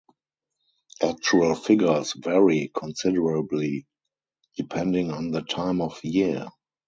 Actual figures vary considerably depending on the time of year.